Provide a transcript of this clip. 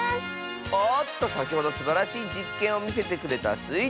おっとさきほどすばらしいじっけんをみせてくれたスイ